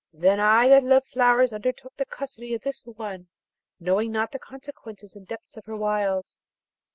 Then, I that loved flowers undertook the custody of this one, knowing not the consequences and the depth of her wiles.